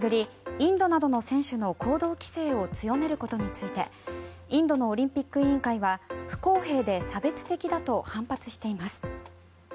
インドなどの選手の行動規制を強めることについてインドのオリンピック委員会は不公平で差別的だと反発しています。